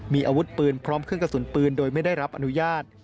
มีอาวุธปืนพร้อมเครื่องกระสุนปืนโดยไม่ได้รับอนุญาต